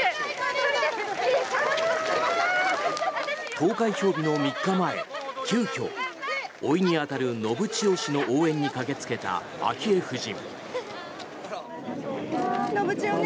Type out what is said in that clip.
投開票日の３日前急きょ、おいに当たる信千世氏の応援に駆けつけた昭恵夫人。